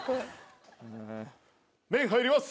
麺入ります！